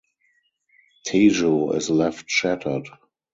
Tejo is left shattered.